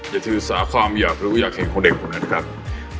อย่าถือสาความอยากรู้อยากเห็นของเด็กคนนั้นครับ